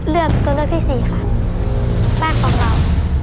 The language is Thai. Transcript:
เรื่องก็เรื่องที่๔ค่ะบ้านของเรา